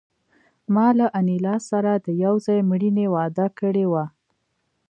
ما له انیلا سره د یو ځای مړینې وعده کړې وه